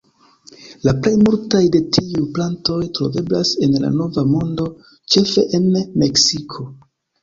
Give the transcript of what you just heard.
La plej multaj de tiuj plantoj troveblas en la Nova Mondo, ĉefe en Meksiko.